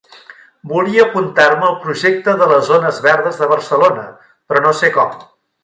Volia apuntar-me al projecte de les zones verdes de Barcelona, però no sé com.